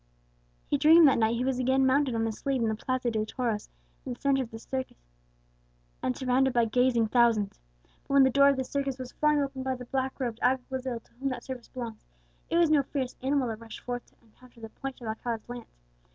He dreamed that night that he was again mounted on his steed in the Plaza de Toros, in the centre of the circus, and surrounded by gazing thousands. But when the door of the circus was flung open by the black robed alguazil to whom that service belongs, it was no fierce animal that rushed forth to encounter the point of Alcala's lance.